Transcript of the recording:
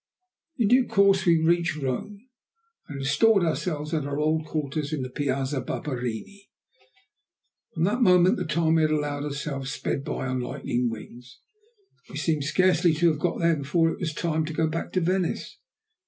In due course we reached Rome, and installed ourselves at our old quarters in the Piazza Barberini. From that moment the time we had allowed ourselves sped by on lightning wings. We seemed scarcely to have got there before it was time to go back to Venice.